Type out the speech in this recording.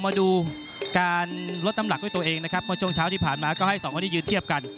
มาดูการลดน้ำหนักด้วยตัวเองนะครับเมื่อช่วงเช้าที่ผ่านมาก็ให้สองคนที่ยืนเทียบกัน